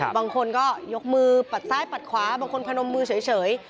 บางคนก็ยกมือปัดซ้ายปัดขวาบางคนพนมมือเฉย